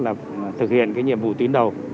để thực hiện nhiệm vụ tiến đầu